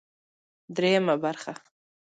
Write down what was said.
درېيمه برخه